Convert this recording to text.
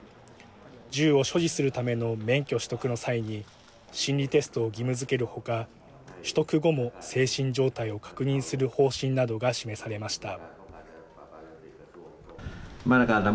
銃を所持するための免許取得の際に心理テストを義務づける他取得後も精神状態を確認する方針などが示されました。